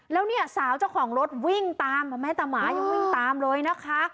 แล้วเนี่ยสาวเจ้าของรถวิ่งตามแม้แต่หมายังวิ่งตามเลยนะคะ